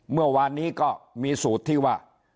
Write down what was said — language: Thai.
เมื่อวานนี้ก็มีสูตรที่ว่า